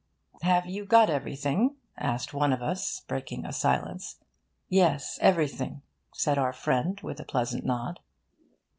'Have you got everything?' asked one of us, breaking a silence. 'Yes, everything,' said our friend, with a pleasant nod.